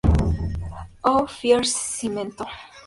Oh, fier cimento!